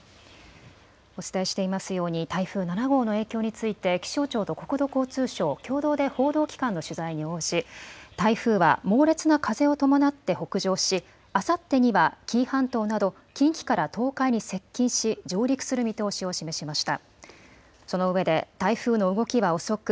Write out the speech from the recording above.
お伝えしていますように台風７号の影響について気象庁と国土交通省共同で報道機関の取材に応じ台風は猛烈な風を伴って北上しあさってには紀伊半島など近畿から東海に接近し上陸する見通しを示しました。